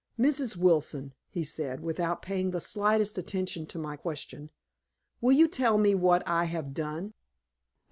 "Mrs. Wilson," he said, without paying the slightest attention to my question, "will you tell me what I have done?"